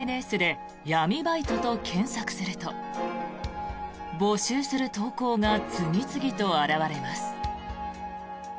一方、今でもＳＮＳで「闇バイト」と検索すると募集する投稿が次々と現れます。